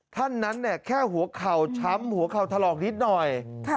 ท่านนั้นแค่หัวเข่าช้ำหัวเข่าถลอกนิดหน่อย